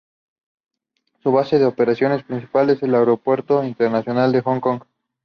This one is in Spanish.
Su base de operaciones principal es el Aeropuerto Internacional de Hong Kong.